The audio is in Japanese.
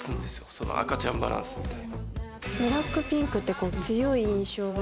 その赤ちゃんバランスみたいな。